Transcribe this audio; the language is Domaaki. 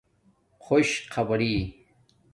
خݸش خبرݵ